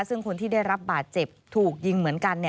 ซึ่งคนที่ได้รับบาดเจ็บถูกยิงเหมือนกัน